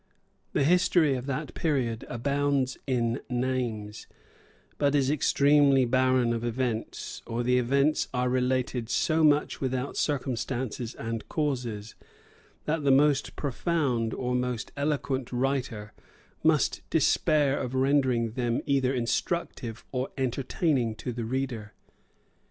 The history of that period abounds in names, but is extremely barren of events; or the events are related so much without circumstances and causes, that the most profound or most eloquent writer must despair of rendering them either instructive or entertaining to the reader.